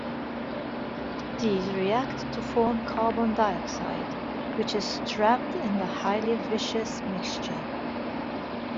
These react to form carbon dioxide, which is trapped in the highly viscous mixture.